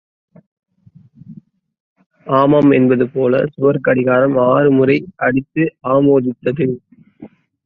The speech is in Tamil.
ஆமாம் என்பது போல சுவர்க் கடிகாரம் ஆறு முறை அடித்து ஆமோதித்தது.